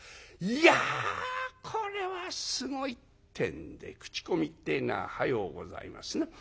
「いやこれはすごい」ってんで口コミってえのは早うございますな。